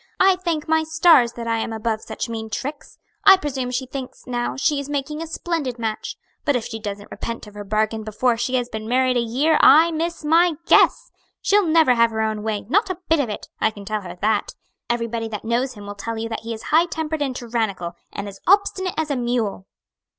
I thank my stars that I am above such mean tricks! I presume she thinks, now, she is making a splendid match; but if she doesn't repent of her bargain before she has been married a year, I miss my guess! She'll never have her own way not a bit of it I can tell her that. Everybody that knows him will tell you that he is high tempered and tyrannical, and as obstinate as a mule."